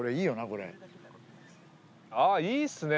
これああいいっすね